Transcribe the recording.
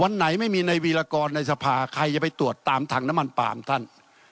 ไหนไม่มีในวีรกรในสภาใครจะไปตรวจตามถังน้ำมันปาล์มท่าน